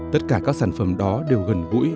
tất cả các sản phẩm đó đều gần gũi